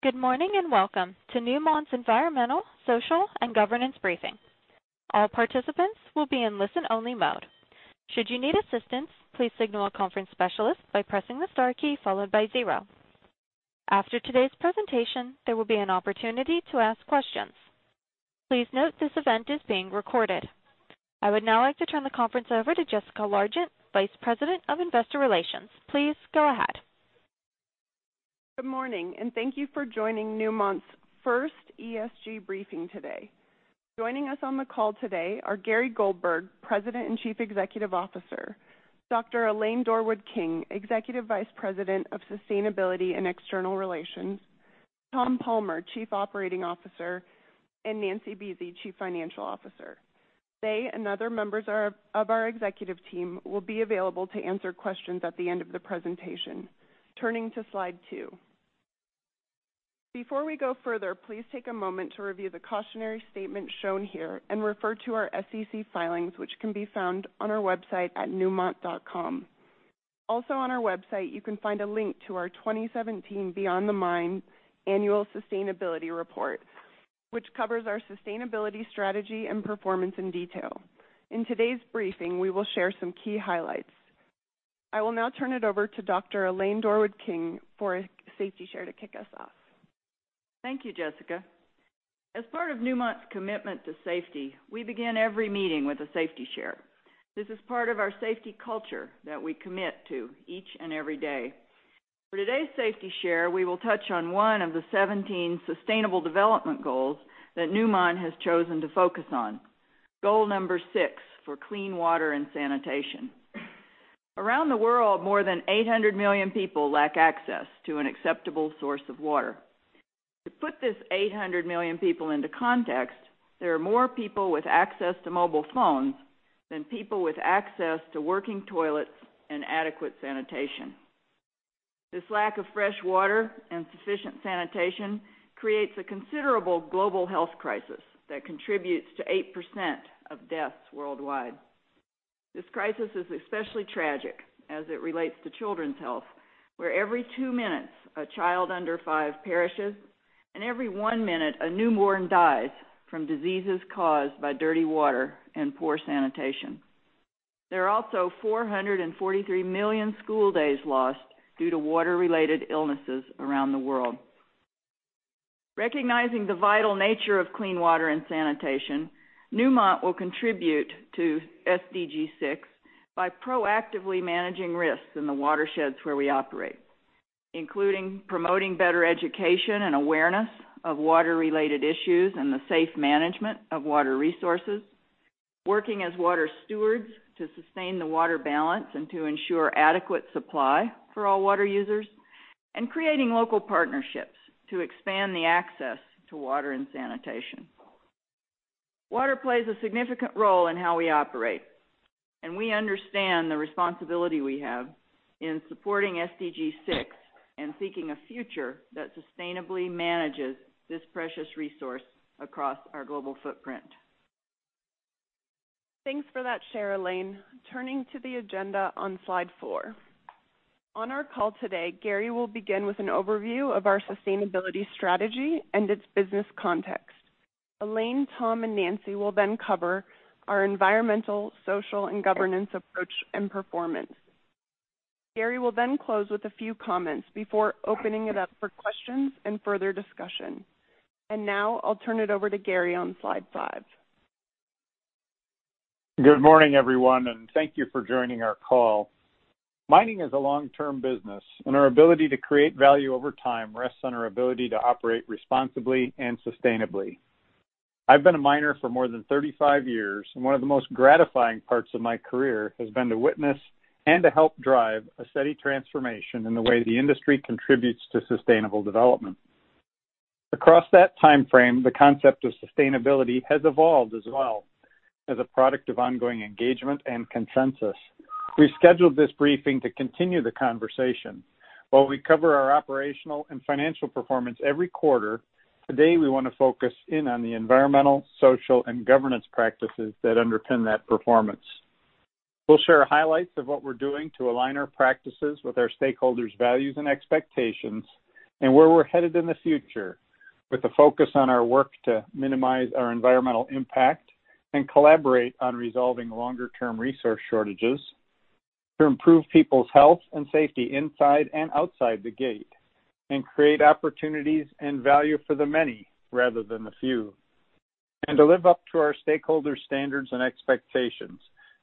Good morning, welcome to Newmont's Environmental, Social, and Governance Briefing. All participants will be in listen-only mode. Should you need assistance, please signal a conference specialist by pressing the star key followed by zero. After today's presentation, there will be an opportunity to ask questions. Please note this event is being recorded. I would now like to turn the conference over to Jessica Largent, Vice President of Investor Relations. Please go ahead. Good morning, thank you for joining Newmont's first ESG briefing today. Joining us on the call today are Gary Goldberg, President and Chief Executive Officer, Dr. Elaine Dorward-King, Executive Vice President of Sustainability and External Relations, Tom Palmer, Chief Operating Officer, and Nancy Buese, Chief Financial Officer. They and other members of our executive team will be available to answer questions at the end of the presentation. Turning to slide two. Before we go further, please take a moment to review the cautionary statement shown here and refer to our SEC filings, which can be found on our website at newmont.com. Also on our website, you can find a link to our 2017 Beyond the Mine Annual Sustainability Report, which covers our sustainability strategy and performance in detail. In today's briefing, we will share some key highlights. I will now turn it over to Dr. Elaine Dorward-King for a safety share to kick us off. Thank you, Jessica. As part of Newmont's commitment to safety, we begin every meeting with a safety share. This is part of our safety culture that we commit to each and every day. For today's safety share, we will touch on one of the 17 sustainable development goals that Newmont has chosen to focus on, goal number six for clean water and sanitation. Around the world, more than 800 million people lack access to an acceptable source of water. To put this 800 million people into context, there are more people with access to mobile phones than people with access to working toilets and adequate sanitation. This lack of fresh water and sufficient sanitation creates a considerable global health crisis that contributes to 8% of deaths worldwide. This crisis is especially tragic as it relates to children's health, where every two minutes, a child under five perishes, and every one minute, a newborn dies from diseases caused by dirty water and poor sanitation. There are also 443 million school days lost due to water-related illnesses around the world. Recognizing the vital nature of clean water and sanitation, Newmont will contribute to SDG 6 by proactively managing risks in the watersheds where we operate, including promoting better education and awareness of water-related issues and the safe management of water resources, working as water stewards to sustain the water balance and to ensure adequate supply for all water users, and creating local partnerships to expand the access to water and sanitation. Water plays a significant role in how we operate. We understand the responsibility we have in supporting SDG 6 and seeking a future that sustainably manages this precious resource across our global footprint. Thanks for that share, Elaine. Turning to the agenda on slide four. On our call today, Gary will begin with an overview of our sustainability strategy and its business context. Elaine, Tom, and Nancy will then cover our environmental, social, and governance approach and performance. Gary will then close with a few comments before opening it up for questions and further discussion. Now I'll turn it over to Gary on slide five. Good morning, everyone. Thank you for joining our call. Mining is a long-term business. Our ability to create value over time rests on our ability to operate responsibly and sustainably. I've been a miner for more than 35 years. One of the most gratifying parts of my career has been to witness and to help drive a steady transformation in the way the industry contributes to sustainable development. Across that timeframe, the concept of sustainability has evolved as well as a product of ongoing engagement and consensus. We scheduled this briefing to continue the conversation. While we cover our operational and financial performance every quarter, today we want to focus in on the environmental, social, and governance practices that underpin that performance. We'll share highlights of what we're doing to align our practices with our stakeholders' values and expectations and where we're headed in the future with a focus on our work to minimize our environmental impact and collaborate on resolving longer-term resource shortages to improve people's health and safety inside and outside the gate and create opportunities and value for the many rather than the few, and to live up to our stakeholders' standards and expectations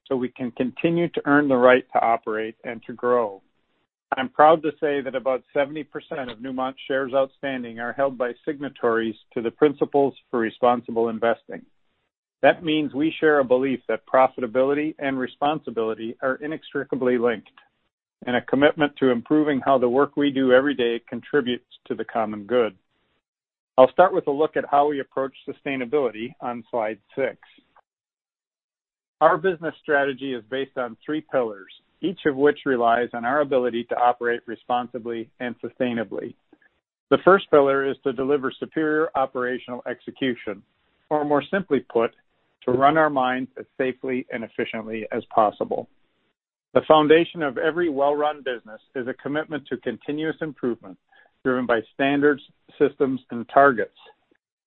so we can continue to earn the right to operate and to grow. I'm proud to say that about 70% of Newmont shares outstanding are held by signatories to the Principles for Responsible Investing. That means we share a belief that profitability and responsibility are inextricably linked and a commitment to improving how the work we do every day contributes to the common good. I'll start with a look at how we approach sustainability on slide six. Our business strategy is based on three pillars, each of which relies on our ability to operate responsibly and sustainably. The first pillar is to deliver superior operational execution, or more simply put, to run our mines as safely and efficiently as possible. The foundation of every well-run business is a commitment to continuous improvement driven by standards, systems, and targets.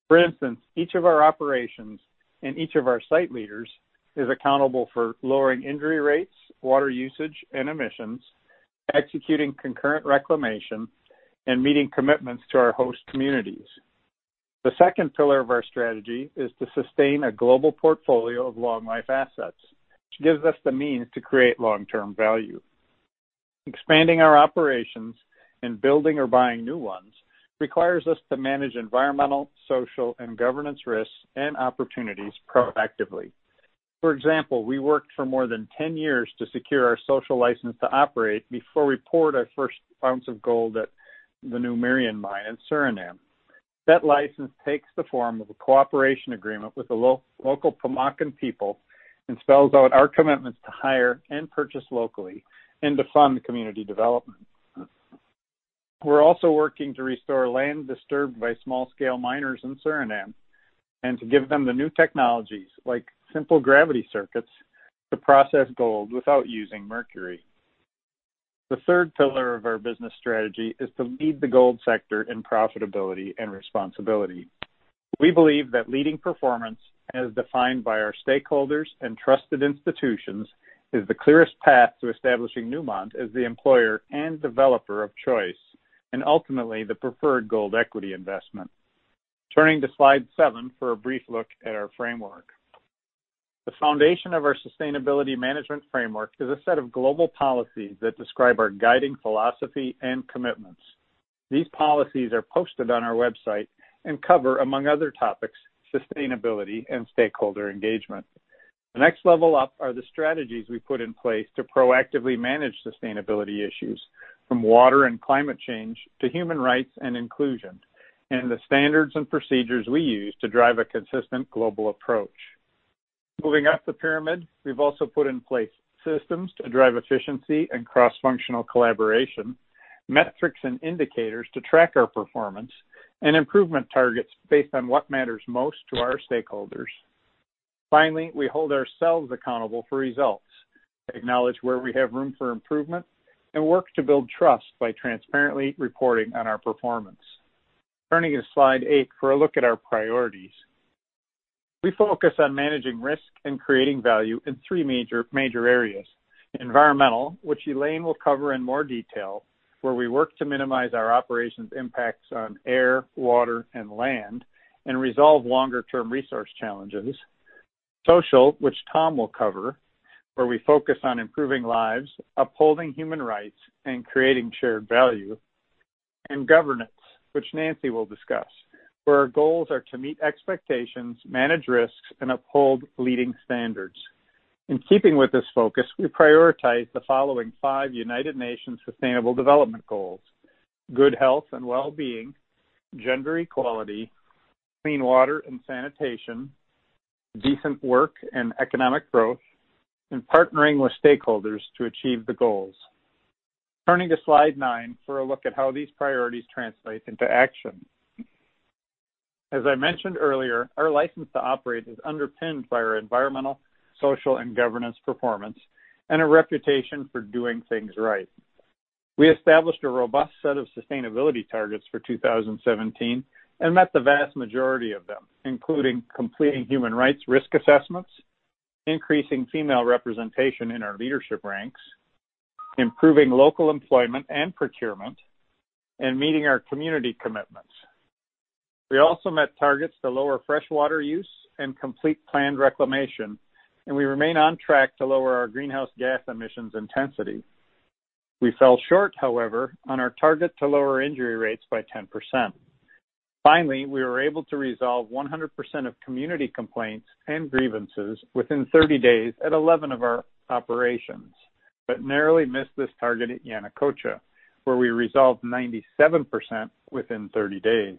For instance, each of our operations and each of our site leaders is accountable for lowering injury rates, water usage, and emissions, executing concurrent reclamation, and meeting commitments to our host communities. The second pillar of our strategy is to sustain a global portfolio of long-life assets, which gives us the means to create long-term value. Expanding our operations and building or buying new ones requires us to manage environmental, social, and governance risks and opportunities proactively. For example, we worked for more than 10 years to secure our social license to operate before we poured our first ounce of gold at the new Merian Mine in Suriname. That license takes the form of a cooperation agreement with the local Pamaka people and spells out our commitments to hire and purchase locally and to fund community development. We're also working to restore land disturbed by small-scale miners in Suriname and to give them the new technologies, like simple gravity circuits, to process gold without using mercury. The third pillar of our business strategy is to lead the gold sector in profitability and responsibility. We believe that leading performance, as defined by our stakeholders and trusted institutions, is the clearest path to establishing Newmont as the employer and developer of choice, and ultimately, the preferred gold equity investment. Turning to slide seven for a brief look at our framework. The foundation of our sustainability management framework is a set of global policies that describe our guiding philosophy and commitments. These policies are posted on our website and cover, among other topics, sustainability and stakeholder engagement. The next level up are the strategies we put in place to proactively manage sustainability issues, from water and climate change to human rights and inclusion, and the standards and procedures we use to drive a consistent global approach. Moving up the pyramid, we've also put in place systems to drive efficiency and cross-functional collaboration, metrics and indicators to track our performance, and improvement targets based on what matters most to our stakeholders. Finally, we hold ourselves accountable for results, acknowledge where we have room for improvement, and work to build trust by transparently reporting on our performance. Turning to slide eight for a look at our priorities. We focus on managing risk and creating value in three major areas. Environmental, which Elaine Dorward-King will cover in more detail, where we work to minimize our operations impacts on air, water, and land and resolve longer-term resource challenges. Social, which Tom Palmer will cover, where we focus on improving lives, upholding human rights, and creating shared value. Governance, which Nancy Buese will discuss, where our goals are to meet expectations, manage risks, and uphold leading standards. In keeping with this focus, we prioritize the following five United Nations Sustainable Development Goals, Good Health and Wellbeing, Gender Equality, Clean Water and Sanitation, Decent Work and Economic Growth, and Partnering with Stakeholders to Achieve the Goals. Turning to slide nine for a look at how these priorities translate into action. As I mentioned earlier, our license to operate is underpinned by our environmental, social, and governance performance and a reputation for doing things right. We established a robust set of sustainability targets for 2017 and met the vast majority of them, including completing human rights risk assessments, increasing female representation in our leadership ranks, improving local employment and procurement, and meeting our community commitments. We also met targets to lower freshwater use and complete planned reclamation, and we remain on track to lower our greenhouse gas emissions intensity. We fell short, however, on our target to lower injury rates by 10%. Finally, we were able to resolve 100% of community complaints and grievances within 30 days at 11 of our operations, but narrowly missed this target at Yanacocha, where we resolved 97% within 30 days.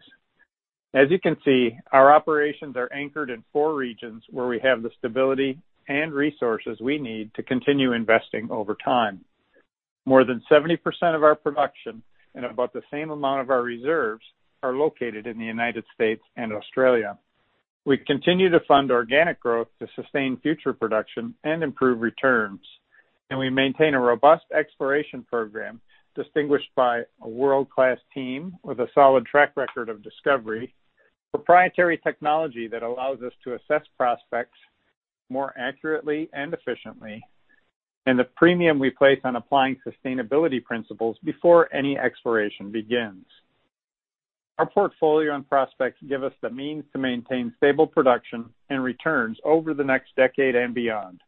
As you can see, our operations are anchored in four regions where we have the stability and resources we need to continue investing over time. More than 70% of our production and about the same amount of our reserves are located in the U.S. and Australia. We continue to fund organic growth to sustain future production and improve returns, and we maintain a robust exploration program distinguished by a world-class team with a solid track record of discovery, proprietary technology that allows us to assess prospects more accurately and efficiently, and the premium we place on applying sustainability principles before any exploration begins. Our portfolio and prospects give us the means to maintain stable production and returns over the next decade and beyond.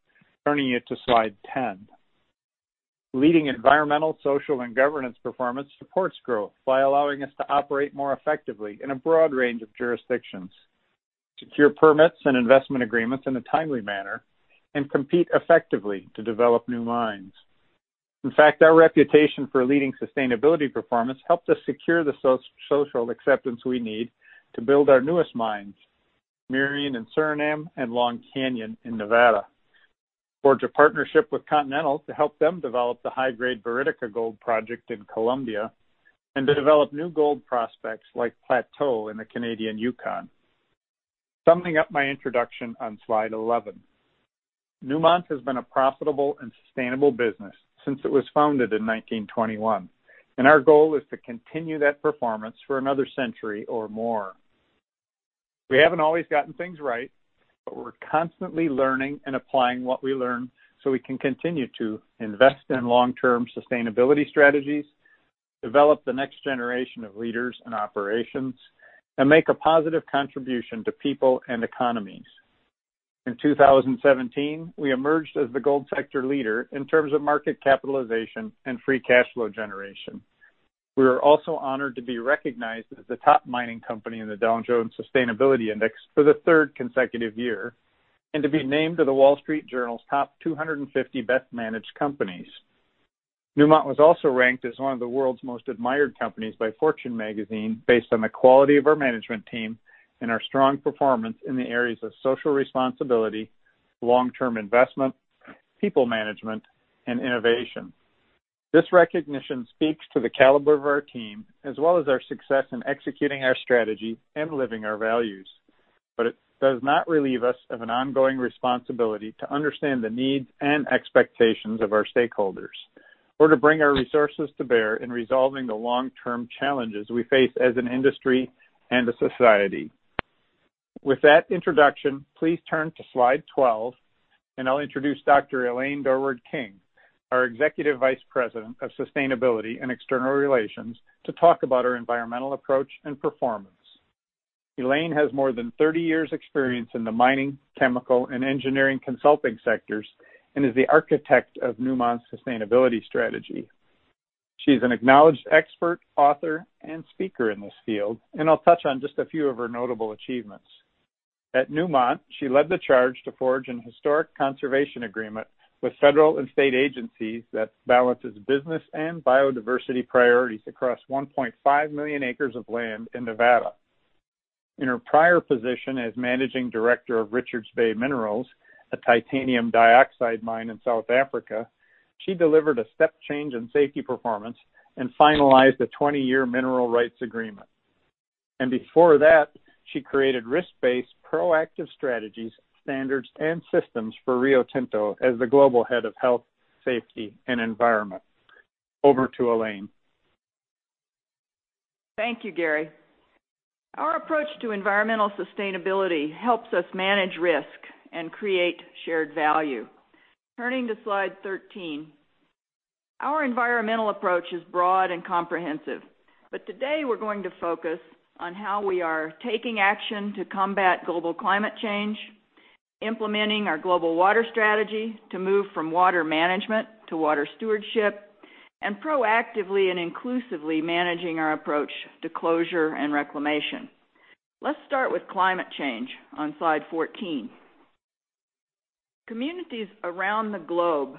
Turning you to slide 10. Leading environmental, social, and governance performance supports growth by allowing us to operate more effectively in a broad range of jurisdictions, secure permits and investment agreements in a timely manner, and compete effectively to develop new mines. In fact, our reputation for leading sustainability performance helped us secure the social acceptance we need to build our newest mines, Merian in Suriname and Long Canyon in Nevada. Forge a partnership with Continental to help them develop the high-grade Buriticá gold project in Colombia and to develop new gold prospects like Plateau in the Canadian Yukon. Summing up my introduction on slide 11. Newmont has been a profitable and sustainable business since it was founded in 1921, and our goal is to continue that performance for another century or more. We haven't always gotten things right, but we're constantly learning and applying what we learn so we can continue to invest in long-term sustainability strategies, develop the next generation of leaders and operations, and make a positive contribution to people and economies. In 2017, we emerged as the gold sector leader in terms of market capitalization and free cash flow generation. We were also honored to be recognized as the top mining company in the Dow Jones Sustainability Index for the third consecutive year, and to be named to The Wall Street Journal's top 250 best-managed companies. Newmont was also ranked as one of the world's most admired companies by Fortune Magazine based on the quality of our management team and our strong performance in the areas of social responsibility, long-term investment, people management, and innovation. It does not relieve us of an ongoing responsibility to understand the needs and expectations of our stakeholders or to bring our resources to bear in resolving the long-term challenges we face as an industry and a society. With that introduction, please turn to slide 12, and I'll introduce Dr. Elaine Dorward-King, our Executive Vice President of Sustainability and External Relations, to talk about our environmental approach and performance. Elaine has more than 30 years experience in the mining, chemical, and engineering consulting sectors and is the architect of Newmont's sustainability strategy. She is an acknowledged expert, author, and speaker in this field, and I'll touch on just a few of her notable achievements. At Newmont, she led the charge to forge an historic conservation agreement with federal and state agencies that balances business and biodiversity priorities across 1.5 million acres of land in Nevada. In her prior position as Managing Director of Richards Bay Minerals, a titanium dioxide mine in South Africa, she delivered a step change in safety performance and finalized a 20-year mineral rights agreement. Before that, she created risk-based proactive strategies, standards, and systems for Rio Tinto as the Global Head of Health, Safety, and Environment. Over to Elaine. Thank you, Gary. Our approach to environmental sustainability helps us manage risk and create shared value. Turning to slide 13. Our environmental approach is broad and comprehensive, but today we're going to focus on how we are taking action to combat global climate change, implementing our global water strategy to move from water management to water stewardship, and proactively and inclusively managing our approach to closure and reclamation. Let's start with climate change on slide 14. Communities around the globe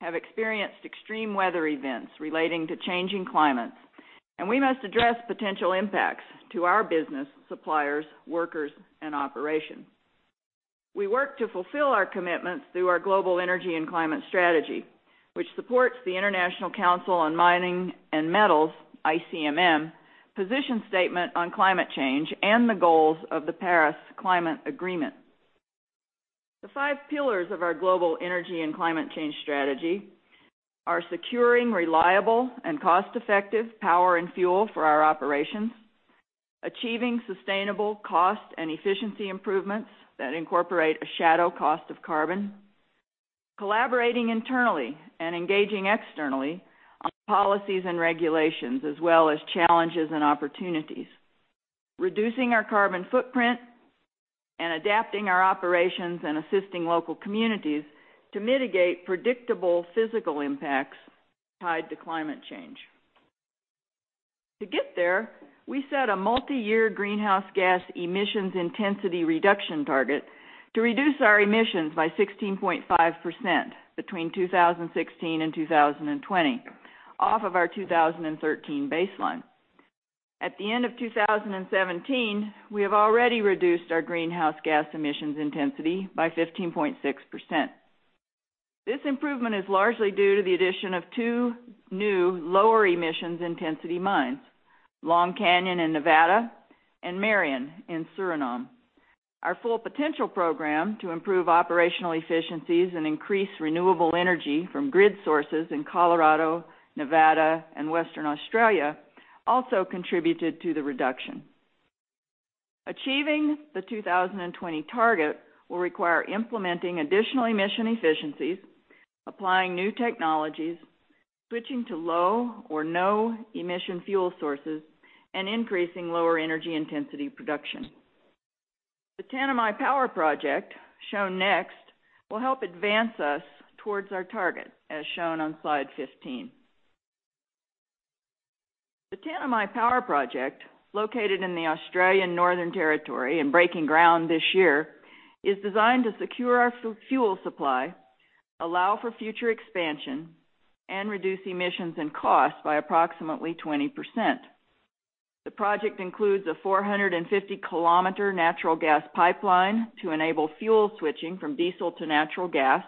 have experienced extreme weather events relating to changing climates, and we must address potential impacts to our business suppliers, workers, and operations. We work to fulfill our commitments through our global energy and climate strategy, which supports the International Council on Mining and Metals, ICMM, position statement on climate change and the goals of the Paris climate Agreement. The five pillars of our global energy and climate change strategy are securing reliable and cost-effective power and fuel for our operations, achieving sustainable cost and efficiency improvements that incorporate a shadow cost of carbon, collaborating internally and engaging externally on policies and regulations as well as challenges and opportunities, reducing our carbon footprint, and adapting our operations and assisting local communities to mitigate predictable physical impacts tied to climate change. To get there, we set a multiyear greenhouse gas emissions intensity reduction target to reduce our emissions by 16.5% between 2016 and 2020 off of our 2013 baseline. At the end of 2017, we have already reduced our greenhouse gas emissions intensity by 15.6%. This improvement is largely due to the addition of two new lower emissions intensity mines, Long Canyon in Nevada and Merian in Suriname. Our Full Potential program to improve operational efficiencies and increase renewable energy from grid sources in Colorado, Nevada, and Western Australia also contributed to the reduction. Achieving the 2020 target will require implementing additional emission efficiencies, applying new technologies, switching to low or no emission fuel sources, and increasing lower energy intensity production. The Tanami Power Project, shown next, will help advance us towards our target, as shown on slide 15. The Tanami Power Project, located in the Australian Northern Territory and breaking ground this year, is designed to secure our fuel supply, allow for future expansion, and reduce emissions and costs by approximately 20%. The project includes a 450-kilometer natural gas pipeline to enable fuel switching from diesel to natural gas,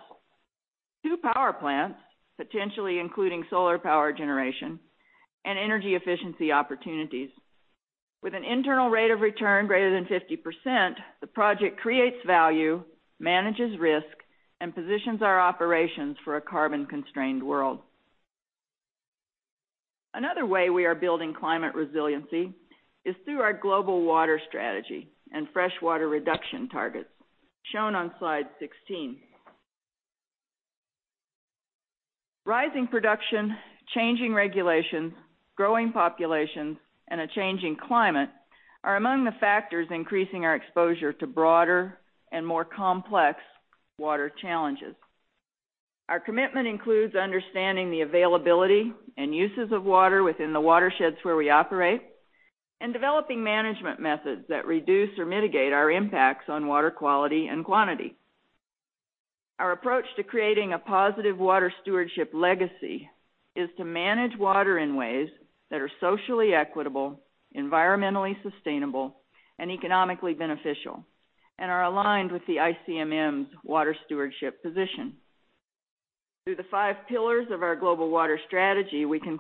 two power plants, potentially including solar power generation, and energy efficiency opportunities. With an internal rate of return greater than 50%, the project creates value, manages risk, and positions our operations for a carbon-constrained world. Another way we are building climate resiliency is through our global water strategy and freshwater reduction targets, shown on slide 16. Rising production, changing regulations, growing populations, and a changing climate are among the factors increasing our exposure to broader and more complex water challenges. Our commitment includes understanding the availability and uses of water within the watersheds where we operate and developing management methods that reduce or mitigate our impacts on water quality and quantity. Our approach to creating a positive water stewardship legacy is to manage water in ways that are socially equitable, environmentally sustainable, and economically beneficial, and are aligned with the ICMM's water stewardship position. Through the five pillars of our global water strategy, we can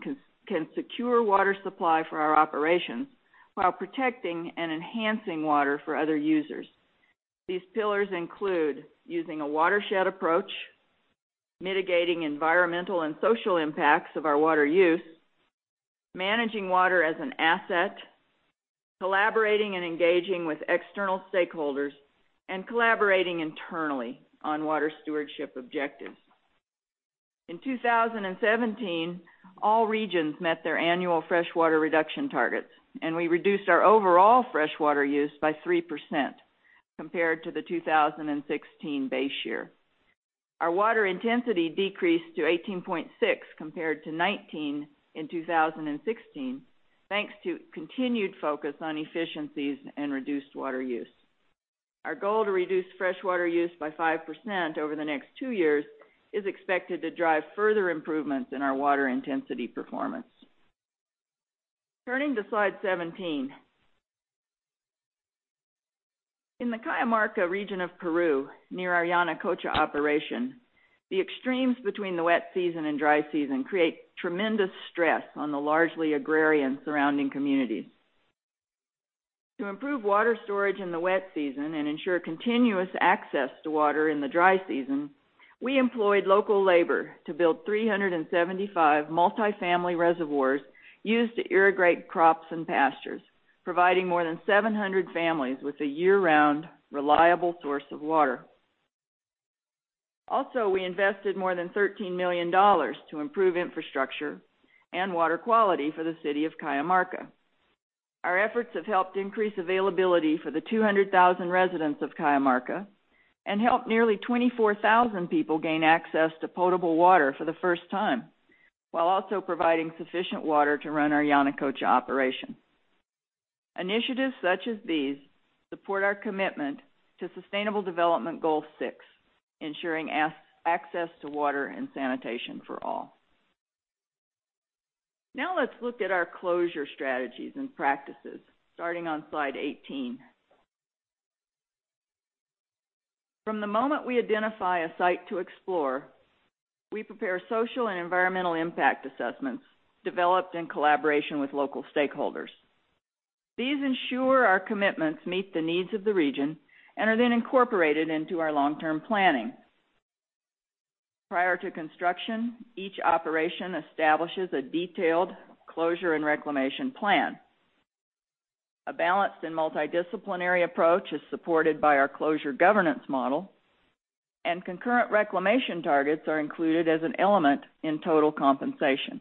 secure water supply for our operations while protecting and enhancing water for other users. These pillars include using a watershed approach, mitigating environmental and social impacts of our water use, managing water as an asset, collaborating and engaging with external stakeholders, and collaborating internally on water stewardship objectives. In 2017, all regions met their annual freshwater reduction targets, and we reduced our overall freshwater use by 3% compared to the 2016 base year. Our water intensity decreased to 18.6 compared to 19 in 2016, thanks to continued focus on efficiencies and reduced water use. Our goal to reduce freshwater use by 5% over the next two years is expected to drive further improvements in our water intensity performance. Turning to slide 17. In the Cajamarca region of Peru, near our Yanacocha operation, the extremes between the wet season and dry season create tremendous stress on the largely agrarian surrounding communities. To improve water storage in the wet season and ensure continuous access to water in the dry season, we employed local labor to build 375 multifamily reservoirs used to irrigate crops and pastures, providing more than 700 families with a year-round, reliable source of water. Also, we invested more than $13 million to improve infrastructure and water quality for the city of Cajamarca. Our efforts have helped increase availability for the 200,000 residents of Cajamarca and helped nearly 24,000 people gain access to potable water for the first time, while also providing sufficient water to run our Yanacocha operation. Initiatives such as these support our commitment to Sustainable Development Goal 6, ensuring access to water and sanitation for all. Now let's look at our closure strategies and practices, starting on slide 18. From the moment we identify a site to explore, we prepare social and environmental impact assessments developed in collaboration with local stakeholders. These ensure our commitments meet the needs of the region and are then incorporated into our long-term planning. Prior to construction, each operation establishes a detailed closure and reclamation plan. A balanced and multidisciplinary approach is supported by our closure governance model, and concurrent reclamation targets are included as an element in total compensation.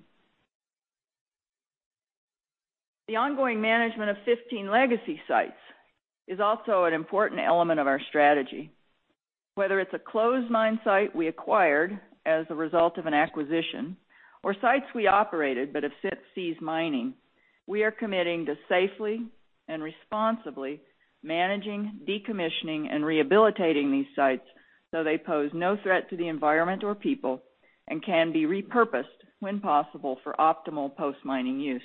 The ongoing management of 15 legacy sites is also an important element of our strategy. Whether it's a closed mine site we acquired as a result of an acquisition or sites we operated but have since ceased mining, we are committing to safely and responsibly managing, decommissioning, and rehabilitating these sites so they pose no threat to the environment or people and can be repurposed when possible for optimal post-mining use.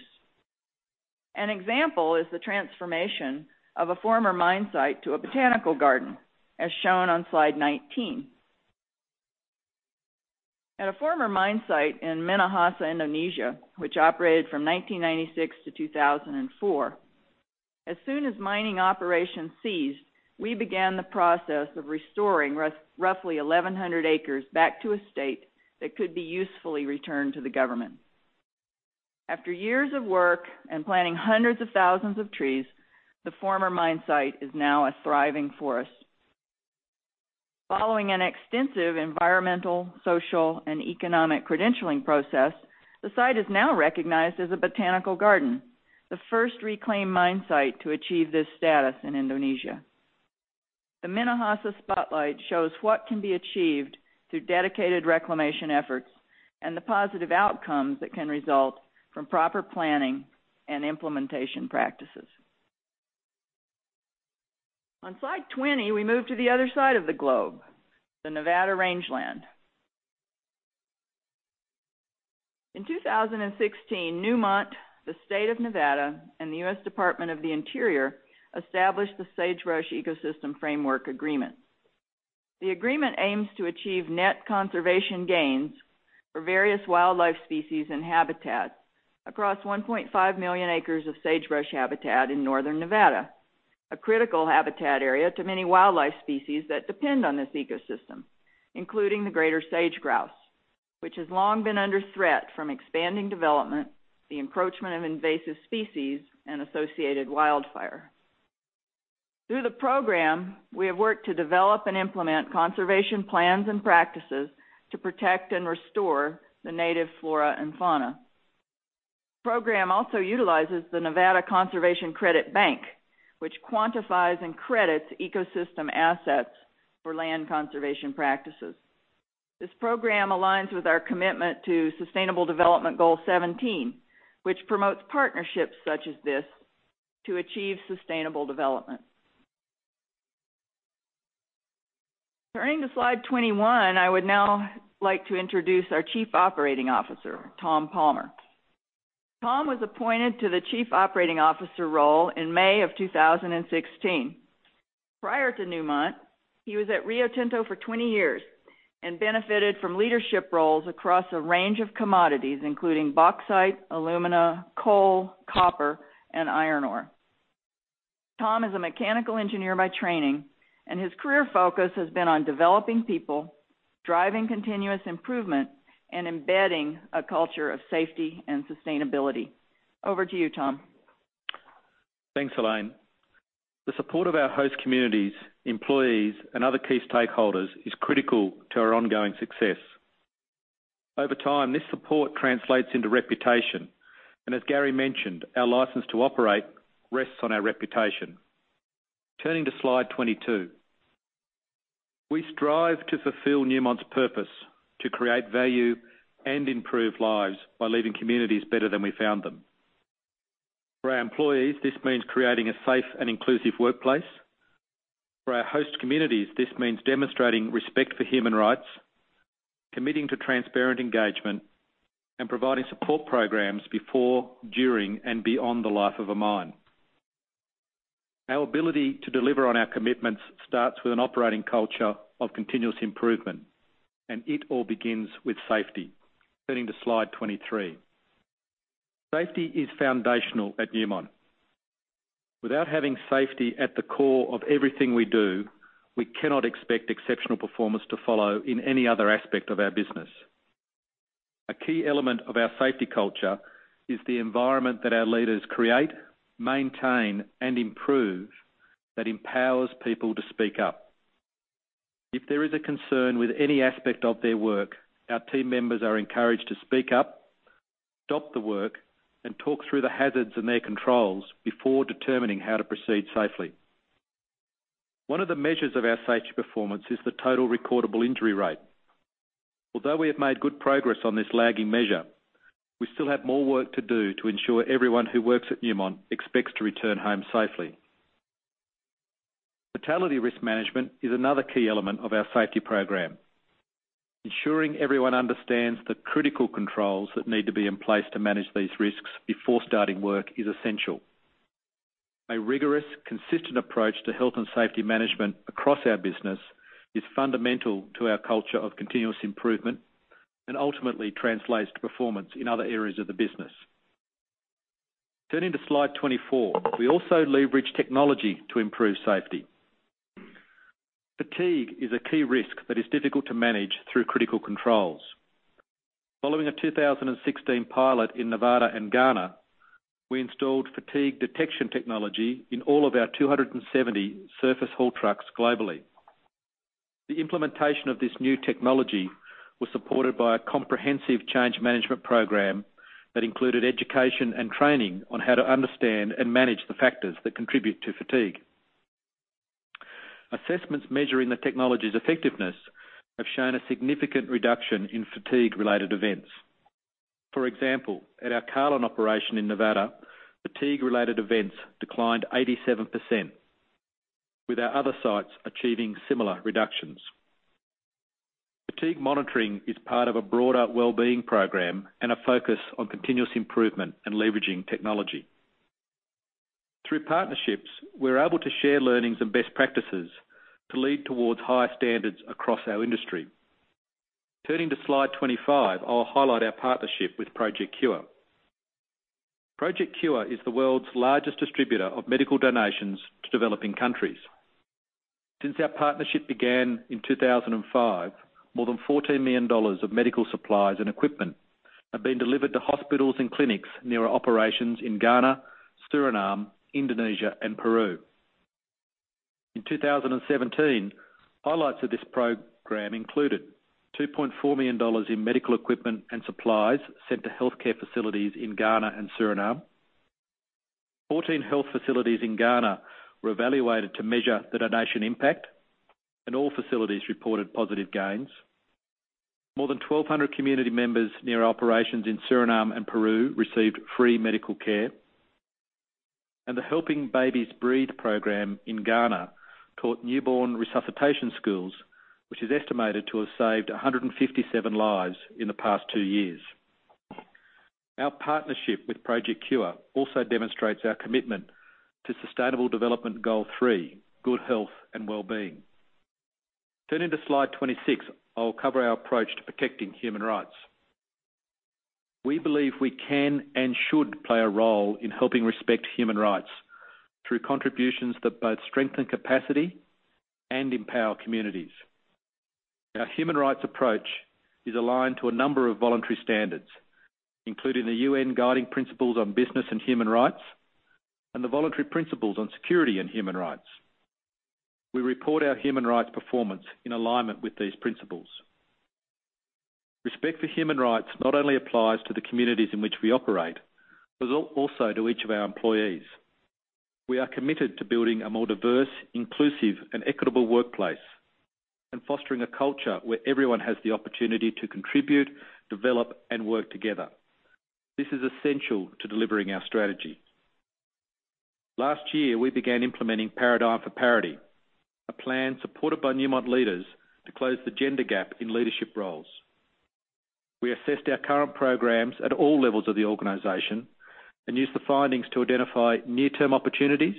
An example is the transformation of a former mine site to a botanical garden, as shown on slide 19. At a former mine site in Minahasa, Indonesia, which operated from 1996 to 2004, as soon as mining operations ceased, we began the process of restoring roughly 1,100 acres back to a state that could be usefully returned to the government. After years of work and planting hundreds of thousands of trees, the former mine site is now a thriving forest. Following an extensive environmental, social, and economic credentialing process, the site is now recognized as a botanical garden, the first reclaimed mine site to achieve this status in Indonesia. The Minahasa spotlight shows what can be achieved through dedicated reclamation efforts and the positive outcomes that can result from proper planning and implementation practices. On slide 20, we move to the other side of the globe, the Nevada rangeland. In 2016, Newmont, the State of Nevada, and the U.S. Department of the Interior established the Sagebrush Ecosystem Framework Agreement. The agreement aims to achieve net conservation gains for various wildlife species and habitats across 1.5 million acres of sagebrush habitat in northern Nevada, a critical habitat area to many wildlife species that depend on this ecosystem, including the greater sage-grouse, which has long been under threat from expanding development, the encroachment of invasive species, and associated wildfire. The program also utilizes the Nevada Conservation Credit System, which quantifies and credits ecosystem assets for land conservation practices. This program aligns with our commitment to Sustainable Development Goal 17, which promotes partnerships such as this to achieve sustainable development. Turning to slide 21, I would now like to introduce our Chief Operating Officer, Tom Palmer. Tom was appointed to the Chief Operating Officer role in May of 2016. Prior to Newmont, he was at Rio Tinto for 20 years and benefited from leadership roles across a range of commodities, including bauxite, alumina, coal, copper, and iron ore. Tom is a mechanical engineer by training, and his career focus has been on developing people, driving continuous improvement, and embedding a culture of safety and sustainability. Over to you, Tom. Thanks, Elaine. The support of our host communities, employees, and other key stakeholders is critical to our ongoing success. Over time, this support translates into reputation. As Gary mentioned, our license to operate rests on our reputation. Turning to slide 22. We strive to fulfill Newmont's purpose to create value and improve lives by leaving communities better than we found them. For our employees, this means creating a safe and inclusive workplace. For our host communities, this means demonstrating respect for human rights, committing to transparent engagement, and providing support programs before, during, and beyond the life of a mine. Our ability to deliver on our commitments starts with an operating culture of continuous improvement, and it all begins with safety. Turning to slide 23. Safety is foundational at Newmont. Without having safety at the core of everything we do, we cannot expect exceptional performance to follow in any other aspect of our business. A key element of our safety culture is the environment that our leaders create, maintain, and improve that empowers people to speak up. If there is a concern with any aspect of their work, our team members are encouraged to speak up, stop the work, and talk through the hazards and their controls before determining how to proceed safely. One of the measures of our safety performance is the total recordable injury rate. Although we have made good progress on this lagging measure, we still have more work to do to ensure everyone who works at Newmont expects to return home safely. Fatality risk management is another key element of our safety program. Ensuring everyone understands the critical controls that need to be in place to manage these risks before starting work is essential. A rigorous, consistent approach to health and safety management across our business is fundamental to our culture of continuous improvement and ultimately translates to performance in other areas of the business. Turning to slide 24. We also leverage technology to improve safety. Fatigue is a key risk that is difficult to manage through critical controls. Following a 2016 pilot in Nevada and Ghana, we installed fatigue detection technology in all of our 270 surface haul trucks globally. The implementation of this new technology was supported by a comprehensive change management program that included education and training on how to understand and manage the factors that contribute to fatigue. Assessments measuring the technology's effectiveness have shown a significant reduction in fatigue-related events. For example, at our Carlin operation in Nevada, fatigue-related events declined 87%, with our other sites achieving similar reductions. Fatigue monitoring is part of a broader well-being program and a focus on continuous improvement and leveraging technology. Through partnerships, we're able to share learnings and best practices to lead towards higher standards across our industry. Turning to slide 25, I'll highlight our partnership with Project CURE. Project CURE is the world's largest distributor of medical donations to developing countries. Since our partnership began in 2005, more than $14 million of medical supplies and equipment have been delivered to hospitals and clinics near our operations in Ghana, Suriname, Indonesia, and Peru. In 2017, highlights of this program included $2.4 million in medical equipment and supplies sent to healthcare facilities in Ghana and Suriname. 14 health facilities in Ghana were evaluated to measure the donation impact, and all facilities reported positive gains. More than 1,200 community members near operations in Suriname and Peru received free medical care. The Helping Babies Breathe program in Ghana taught newborn resuscitation skills, which is estimated to have saved 157 lives in the past two years. Our partnership with Project CURE also demonstrates our commitment to Sustainable Development Goal 3, good health and well-being. Turning to slide 26, I'll cover our approach to protecting human rights. We believe we can and should play a role in helping respect human rights through contributions that both strengthen capacity and empower communities. Our human rights approach is aligned to a number of voluntary standards, including the UN Guiding Principles on Business and Human Rights and the Voluntary Principles on Security and Human Rights. We report our human rights performance in alignment with these principles. Respect for human rights not only applies to the communities in which we operate, but also to each of our employees. We are committed to building a more diverse, inclusive, and equitable workplace, and fostering a culture where everyone has the opportunity to contribute, develop, and work together. This is essential to delivering our strategy. Last year, we began implementing Paradigm for Parity, a plan supported by Newmont leaders to close the gender gap in leadership roles. We assessed our current programs at all levels of the organization and used the findings to identify near-term opportunities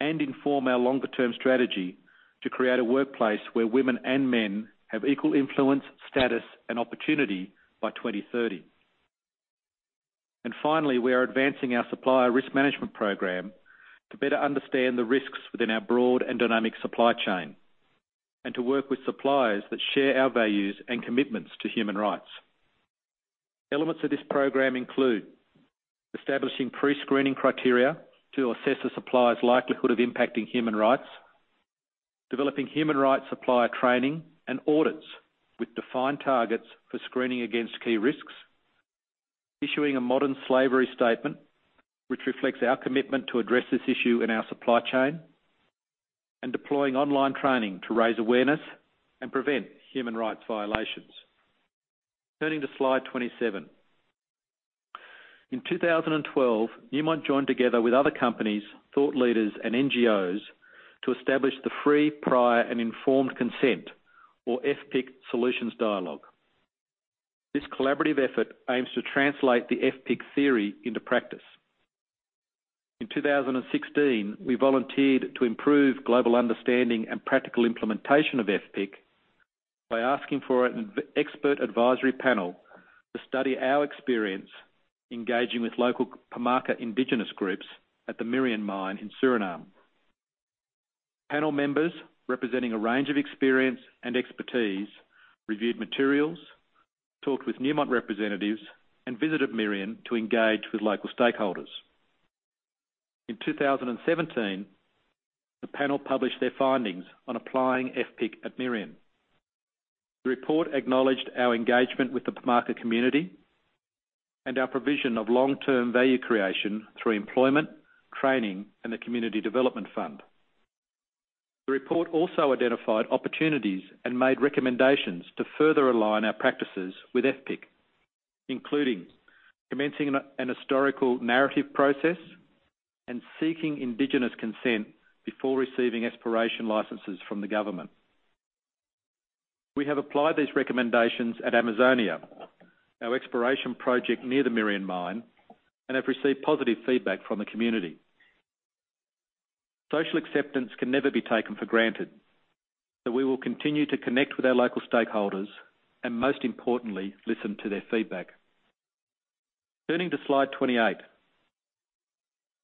and inform our longer-term strategy to create a workplace where women and men have equal influence, status, and opportunity by 2030. Finally, we are advancing our supplier risk management program to better understand the risks within our broad and dynamic supply chain, and to work with suppliers that share our values and commitments to human rights. Elements of this program include establishing pre-screening criteria to assess a supplier's likelihood of impacting human rights, developing human rights supplier training and audits with defined targets for screening against key risks, issuing a Modern Slavery Statement which reflects our commitment to address this issue in our supply chain, and deploying online training to raise awareness and prevent human rights violations. Turning to slide 27. In 2012, Newmont joined together with other companies, thought leaders, and NGOs to establish the Free, Prior, and Informed Consent, or FPIC Solutions Dialogue. This collaborative effort aims to translate the FPIC theory into practice. In 2016, we volunteered to improve global understanding and practical implementation of FPIC by asking for an expert advisory panel to study our experience engaging with local Pamaka indigenous groups at the Merian mine in Suriname. Panel members representing a range of experience and expertise reviewed materials, talked with Newmont representatives, and visited Merian to engage with local stakeholders. In 2017, the panel published their findings on applying FPIC at Merian. The report acknowledged our engagement with the Pamaka community and our provision of long-term value creation through employment, training, and the community development fund. The report also identified opportunities and made recommendations to further align our practices with FPIC, including commencing an historical narrative process and seeking indigenous consent before receiving exploration licenses from the government. We have applied these recommendations at Amazonia, our exploration project near the Merian mine, and have received positive feedback from the community. Social acceptance can never be taken for granted, we will continue to connect with our local stakeholders and, most importantly, listen to their feedback. Turning to slide 28.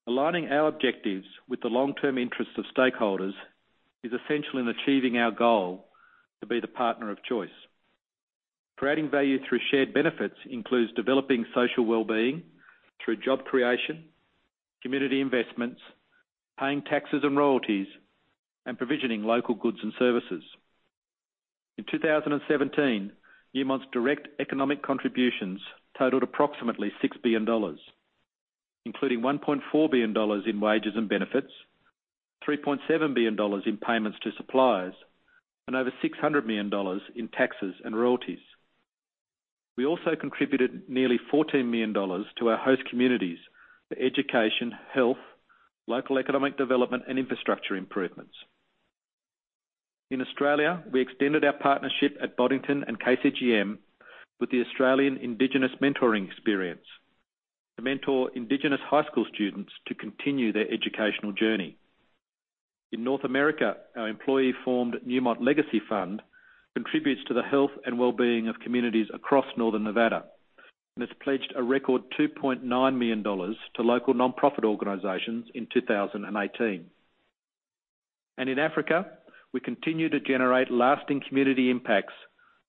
Aligning our objectives with the long-term interests of stakeholders is essential in achieving our goal to be the partner of choice. Creating value through shared benefits includes developing social well-being through job creation, community investments, paying taxes and royalties, and provisioning local goods and services. In 2017, Newmont's direct economic contributions totaled approximately $6 billion, including $1.4 billion in wages and benefits, $3.7 billion in payments to suppliers, and over $600 million in taxes and royalties. We also contributed nearly $14 million to our host communities for education, health, local economic development, and infrastructure improvements. In Australia, we extended our partnership at Boddington and KCGM with the Australian Indigenous Mentoring Experience to mentor Indigenous high school students to continue their educational journey. In North America, our employee-formed Newmont Legacy Fund contributes to the health and well-being of communities across Northern Nevada and has pledged a record $2.9 million to local nonprofit organizations in 2018. In Africa, we continue to generate lasting community impacts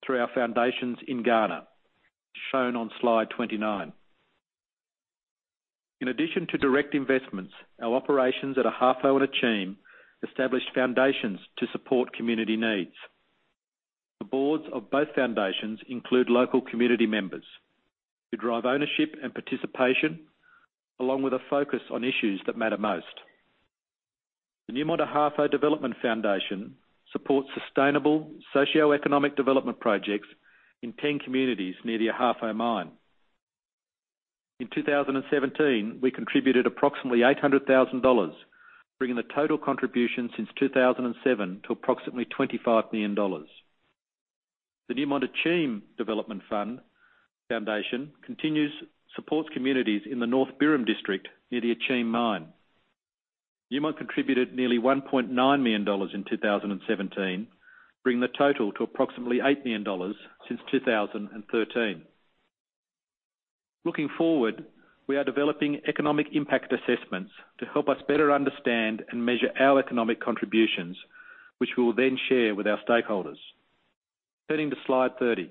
through our foundations in Ghana, as shown on slide 29. In addition to direct investments, our operations at Ahafo and Akyem established foundations to support community needs. The boards of both foundations include local community members who drive ownership and participation, along with a focus on issues that matter most. The Newmont Ahafo Development Foundation supports sustainable socioeconomic development projects in 10 communities near the Ahafo mine. In 2017, we contributed approximately $800,000, bringing the total contribution since 2007 to approximately $25 million. The Newmont Akyem Development Foundation continues to support communities in the Birim North District near the Akyem mine. Newmont contributed nearly $1.9 million in 2017, bringing the total to approximately $8 million since 2013. Looking forward, we are developing economic impact assessments to help us better understand and measure our economic contributions, which we will then share with our stakeholders. Turning to slide 30,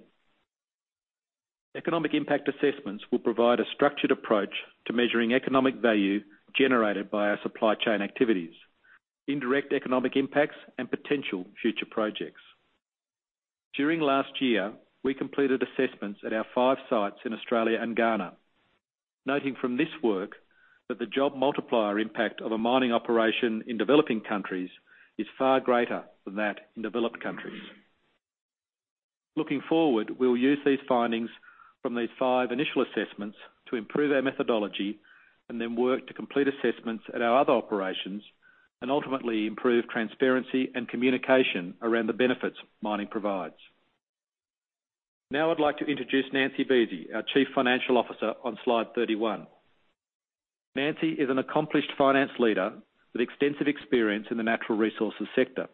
economic impact assessments will provide a structured approach to measuring economic value generated by our supply chain activities, indirect economic impacts, and potential future projects. During last year, we completed assessments at our five sites in Australia and Ghana, noting from this work that the job multiplier impact of a mining operation in developing countries is far greater than that in developed countries. Looking forward, we'll use these findings from these five initial assessments to improve our methodology, then work to complete assessments at our other operations and ultimately improve transparency and communication around the benefits mining provides. Now I'd like to introduce Nancy Buese, our Chief Financial Officer, on slide 31. Nancy is an accomplished finance leader with extensive experience in the natural resources sector.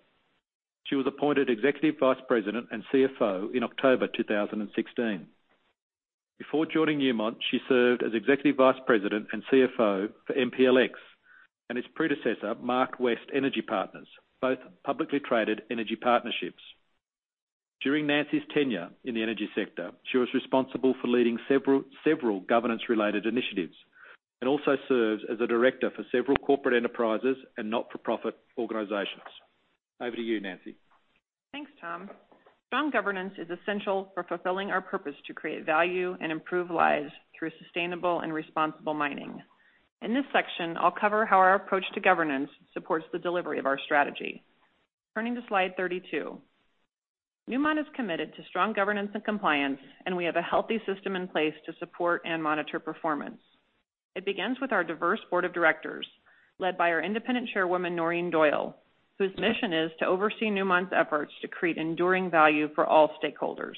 She was appointed Executive Vice President and CFO in October 2016. Before joining Newmont, she served as Executive Vice President and CFO for MPLX and its predecessor, MarkWest Energy Partners, both publicly traded energy partnerships. During Nancy's tenure in the energy sector, she was responsible for leading several governance-related initiatives and also serves as a director for several corporate enterprises and not-for-profit organizations. Over to you, Nancy. Thanks, Tom. Strong governance is essential for fulfilling our purpose to create value and improve lives through sustainable and responsible mining. In this section, I'll cover how our approach to governance supports the delivery of our strategy. Turning to slide 32, Newmont is committed to strong governance and compliance. We have a healthy system in place to support and monitor performance. It begins with our diverse board of directors, led by our Independent Chairwoman, Noreen Doyle, whose mission is to oversee Newmont's efforts to create enduring value for all stakeholders.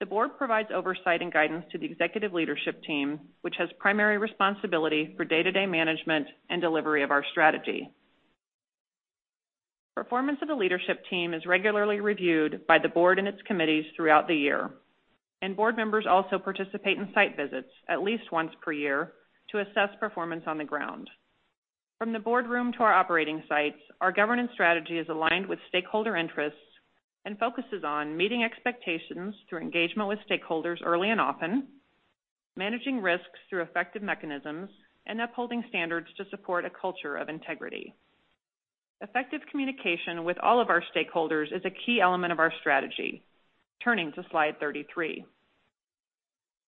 The board provides oversight and guidance to the Executive Leadership Team, which has primary responsibility for day-to-day management and delivery of our strategy. Performance of the leadership team is regularly reviewed by the board and its committees throughout the year. Board members also participate in site visits at least once per year to assess performance on the ground. From the boardroom to our operating sites, our governance strategy is aligned with stakeholder interests and focuses on meeting expectations through engagement with stakeholders early and often, managing risks through effective mechanisms, and upholding standards to support a culture of integrity. Effective communication with all of our stakeholders is a key element of our strategy. Turning to slide 33.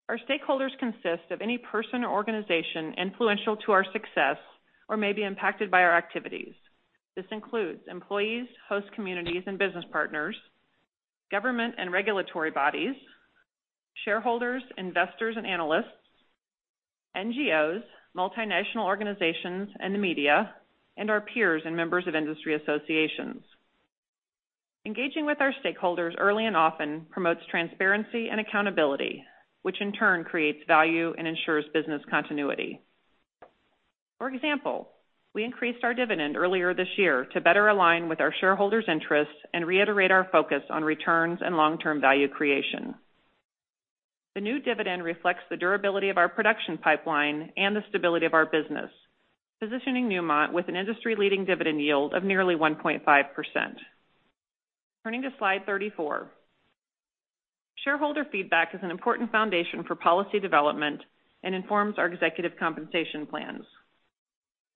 Our stakeholders consist of any person or organization influential to our success or may be impacted by our activities. This includes employees, host communities, and business partners, government and regulatory bodies, shareholders, investors, and analysts, NGOs, multinational organizations, and the media, and our peers and members of industry associations. Engaging with our stakeholders early and often promotes transparency and accountability, which in turn creates value and ensures business continuity. For example, we increased our dividend earlier this year to better align with our shareholders' interests and reiterate our focus on returns and long-term value creation. The new dividend reflects the durability of our production pipeline and the stability of our business, positioning Newmont with an industry-leading dividend yield of nearly 1.5%. Turning to slide 34. Shareholder feedback is an important foundation for policy development and informs our executive compensation plans.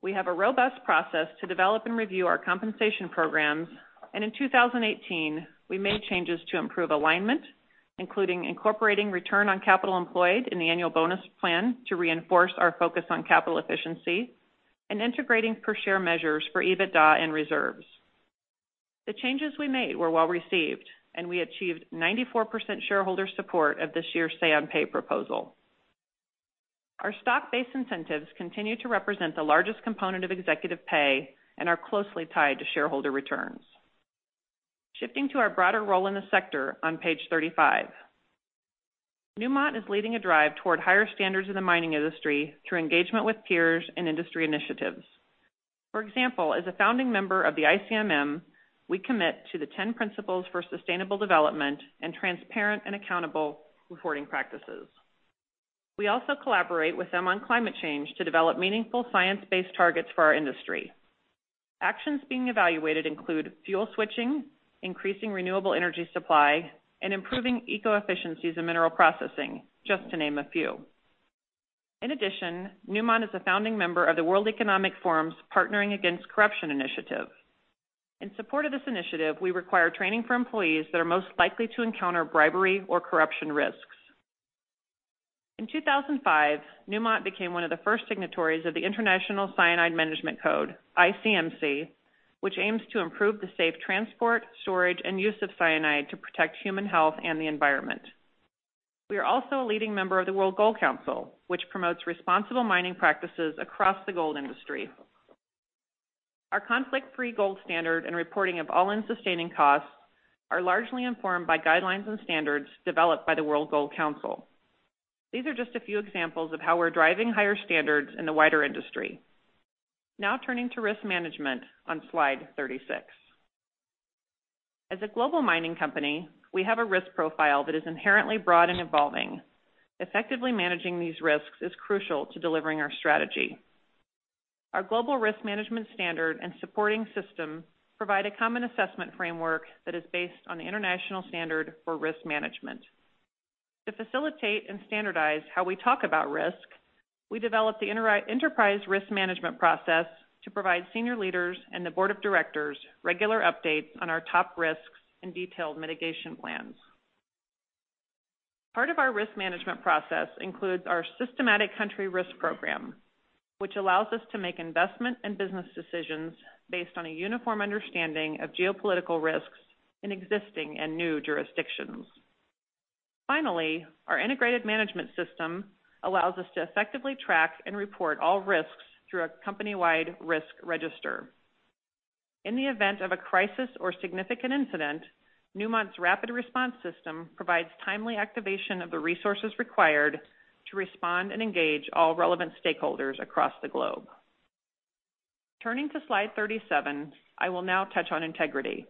We have a robust process to develop and review our compensation programs, and in 2018, we made changes to improve alignment, including incorporating return on capital employed in the annual bonus plan to reinforce our focus on capital efficiency and integrating per share measures for EBITDA and reserves. The changes we made were well-received, and we achieved 94% shareholder support of this year's say on pay proposal. Our stock-based incentives continue to represent the largest component of executive pay and are closely tied to shareholder returns. Shifting to our broader role in the sector on page 35. Newmont is leading a drive toward higher standards in the mining industry through engagement with peers and industry initiatives. For example, as a founding member of the ICMM, we commit to the 10 principles for sustainable development and transparent and accountable reporting practices. We also collaborate with them on climate change to develop meaningful science-based targets for our industry. Actions being evaluated include fuel switching, increasing renewable energy supply, and improving eco-efficiencies in mineral processing, just to name a few. In addition, Newmont is a founding member of the World Economic Forum's Partnering Against Corruption Initiative. In support of this initiative, we require training for employees that are most likely to encounter bribery or corruption risks. In 2005, Newmont became one of the first signatories of the International Cyanide Management Code, ICMC, which aims to improve the safe transport, storage, and use of cyanide to protect human health and the environment. We are also a leading member of the World Gold Council, which promotes responsible mining practices across the gold industry. Our Conflict-Free Gold Standard and reporting of all-in sustaining costs are largely informed by guidelines and standards developed by the World Gold Council. These are just a few examples of how we're driving higher standards in the wider industry. Now turning to risk management on slide 36. As a global mining company, we have a risk profile that is inherently broad and evolving. Effectively managing these risks is crucial to delivering our strategy. Our global risk management standard and supporting system provide a common assessment framework that is based on the international standard for risk management. To facilitate and standardize how we talk about risk, we developed the Enterprise Risk Management process to provide senior leaders and the board of directors regular updates on our top risks and detailed mitigation plans. Part of our risk management process includes our systematic country risk program, which allows us to make investment and business decisions based on a uniform understanding of geopolitical risks in existing and new jurisdictions. Finally, our integrated management system allows us to effectively track and report all risks through a company-wide risk register. In the event of a crisis or significant incident, Newmont's rapid response system provides timely activation of the resources required to respond and engage all relevant stakeholders across the globe. Turning to slide 37, I will now touch on integrity.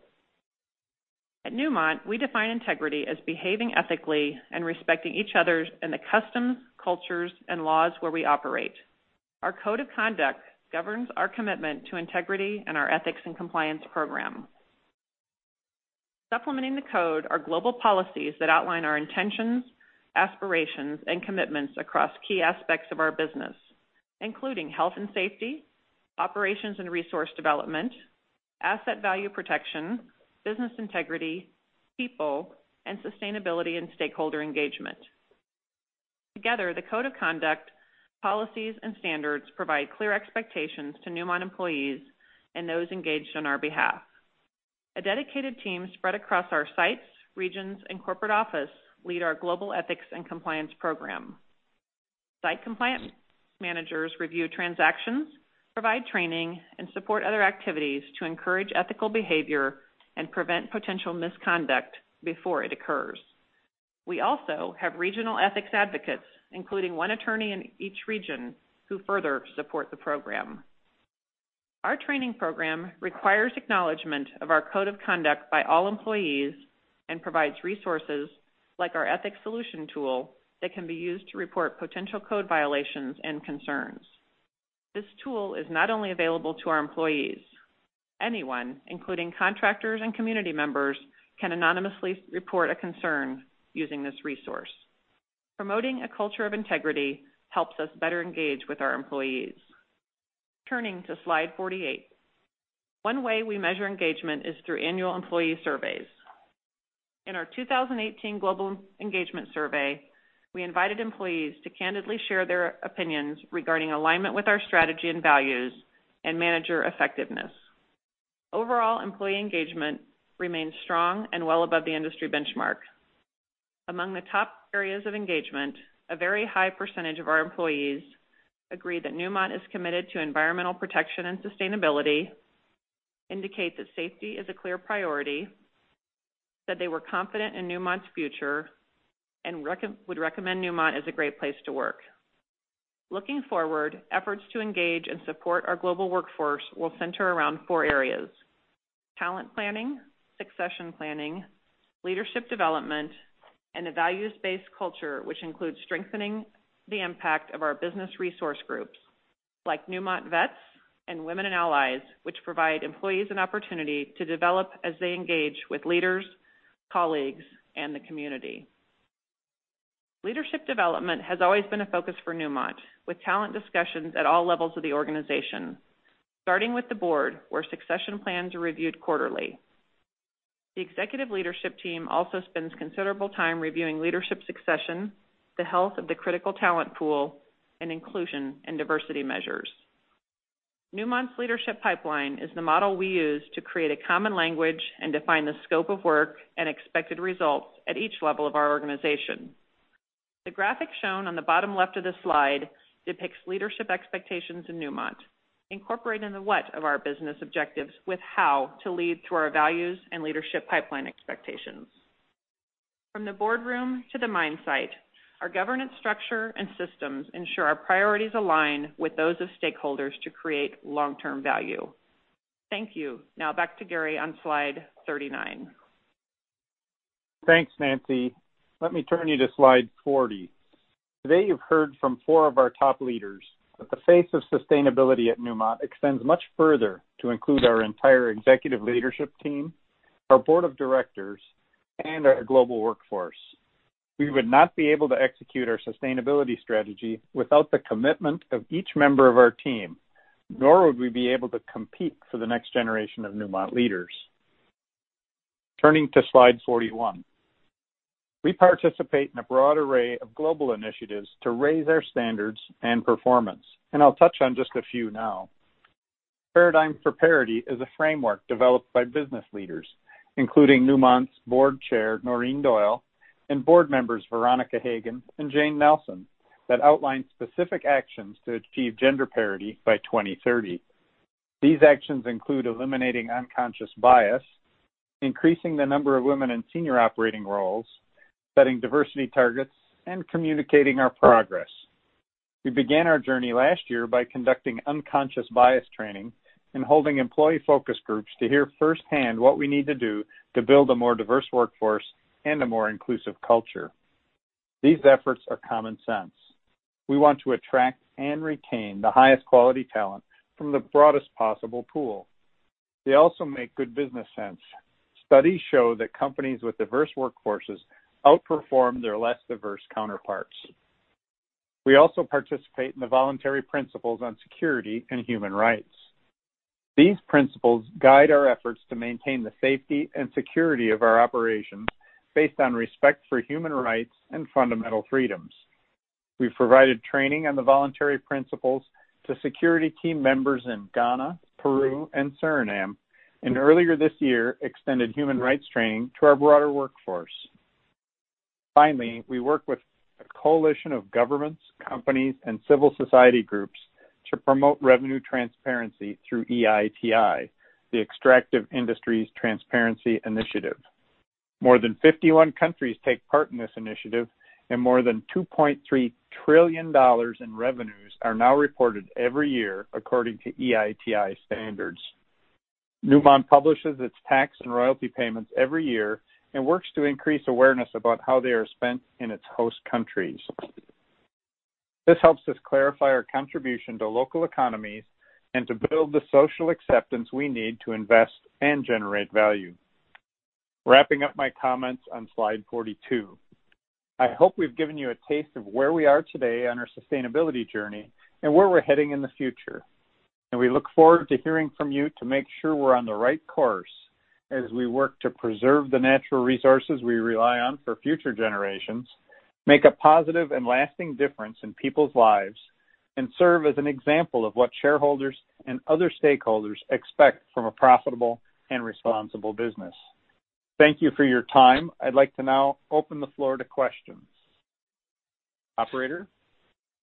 At Newmont, we define integrity as behaving ethically and respecting each other and the customs, cultures, and laws where we operate. Our code of conduct governs our commitment to integrity and our ethics and compliance program. Supplementing the code are global policies that outline our intentions, aspirations, and commitments across key aspects of our business, including health and safety, operations and resource development, asset value protection, business integrity, people, and sustainability and stakeholder engagement. Together, the code of conduct, policies, and standards provide clear expectations to Newmont employees and those engaged on our behalf. A dedicated team spread across our sites, regions, and corporate office lead our global ethics and compliance program. Site compliance managers review transactions, provide training, and support other activities to encourage ethical behavior and prevent potential misconduct before it occurs. We also have regional ethics advocates, including one attorney in each region, who further support the program. Our training program requires acknowledgment of our code of conduct by all employees and provides resources like our ethics solution tool that can be used to report potential code violations and concerns. This tool is not only available to our employees. Anyone, including contractors and community members, can anonymously report a concern using this resource. Promoting a culture of integrity helps us better engage with our employees. Turning to slide 48. One way we measure engagement is through annual employee surveys. In our 2018 global engagement survey, we invited employees to candidly share their opinions regarding alignment with our strategy and values and manager effectiveness. Overall employee engagement remains strong and well above the industry benchmark. Among the top areas of engagement, a very high percentage of our employees agree that Newmont is committed to environmental protection and sustainability, indicate that safety is a clear priority, said they were confident in Newmont's future, and would recommend Newmont as a great place to work. Looking forward, efforts to engage and support our global workforce will center around four areas, talent planning, succession planning, leadership development, and a values-based culture, which includes strengthening the impact of our business resource groups like Newmont VETS and Women and Allies, which provide employees an opportunity to develop as they engage with leaders, colleagues, and the community. Leadership development has always been a focus for Newmont, with talent discussions at all levels of the organization, starting with the board, where succession plans are reviewed quarterly. The executive leadership team also spends considerable time reviewing leadership succession, the health of the critical talent pool, and inclusion and diversity measures. Newmont's leadership pipeline is the model we use to create a common language and define the scope of work and expected results at each level of our organization. The graphic shown on the bottom left of this slide depicts leadership expectations in Newmont, incorporating the what of our business objectives with how to lead through our values and leadership pipeline expectations. From the boardroom to the mine site, our governance structure and systems ensure our priorities align with those of stakeholders to create long-term value. Thank you. Now back to Gary on slide 39. Thanks, Nancy. Let me turn you to slide 40. Today, you've heard from four of our top leaders that the face of sustainability at Newmont extends much further to include our entire executive leadership team, our board of directors, and our global workforce. We would not be able to execute our sustainability strategy without the commitment of each member of our team, nor would we be able to compete for the next generation of Newmont leaders. Turning to slide 41. We participate in a broad array of global initiatives to raise our standards and performance. I'll touch on just a few now. Paradigm for Parity is a framework developed by business leaders, including Newmont's Board Chair, Noreen Doyle, and board members Veronica Hagen and Jane Nelson, that outlines specific actions to achieve gender parity by 2030. These actions include eliminating unconscious bias, increasing the number of women in senior operating roles, setting diversity targets, and communicating our progress. We began our journey last year by conducting unconscious bias training and holding employee focus groups to hear firsthand what we need to do to build a more diverse workforce and a more inclusive culture. These efforts are common sense. We want to attract and retain the highest quality talent from the broadest possible pool. They also make good business sense. Studies show that companies with diverse workforces outperform their less diverse counterparts. We also participate in the Voluntary Principles on Security and Human Rights. These principles guide our efforts to maintain the safety and security of our operations based on respect for human rights and fundamental freedoms. We've provided training on the voluntary principles to security team members in Ghana, Peru, and Suriname. Earlier this year extended human rights training to our broader workforce. Finally, we work with a coalition of governments, companies, and civil society groups to promote revenue transparency through EITI, the Extractive Industries Transparency Initiative. More than 51 countries take part in this initiative, and more than $2.3 trillion in revenues are now reported every year according to EITI standards. Newmont publishes its tax and royalty payments every year and works to increase awareness about how they are spent in its host countries. This helps us clarify our contribution to local economies and to build the social acceptance we need to invest and generate value. Wrapping up my comments on slide 42. I hope we've given you a taste of where we are today on our sustainability journey and where we're heading in the future. We look forward to hearing from you to make sure we're on the right course as we work to preserve the natural resources we rely on for future generations, make a positive and lasting difference in people's lives, and serve as an example of what shareholders and other stakeholders expect from a profitable and responsible business. Thank you for your time. I'd like to now open the floor to questions. Operator?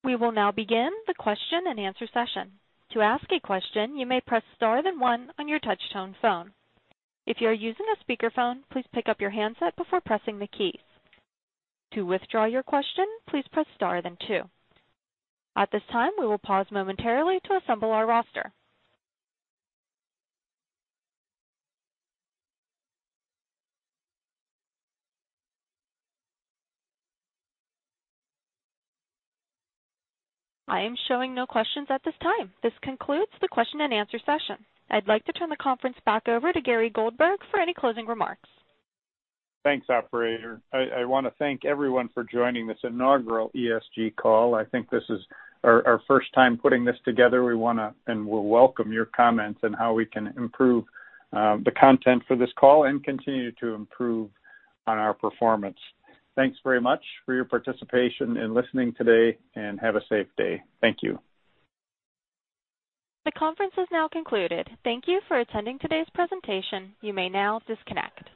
We will now begin the question and answer session. To ask a question, you may press star then one on your touchtone phone. If you are using a speakerphone, please pick up your handset before pressing the keys. To withdraw your question, please press star then two. At this time, we will pause momentarily to assemble our roster. I am showing no questions at this time. This concludes the question and answer session. I'd like to turn the conference back over to Gary Goldberg for any closing remarks. Thanks, operator. I want to thank everyone for joining this inaugural ESG call. I think this is our first time putting this together. We'll welcome your comments on how we can improve the content for this call and continue to improve on our performance. Thanks very much for your participation in listening today. Have a safe day. Thank you. The conference is now concluded. Thank you for attending today's presentation. You may now disconnect.